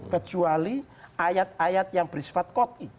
kecuali ayat ayat yang berisfat qot'i